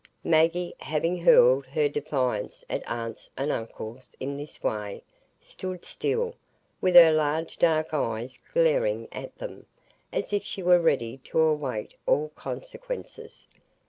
Maggie, having hurled her defiance at aunts and uncles in this way, stood still, with her large dark eyes glaring at them, as if she were ready to await all consequences.